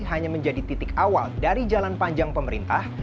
hanya menjadi titik awal dari jalan panjang pemerintah